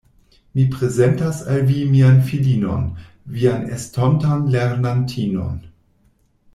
Mi prezentas al vi mian filinon, vian estontan lernantinon.